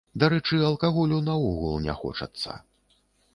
Дарэчы, алкаголю наогул не хочацца.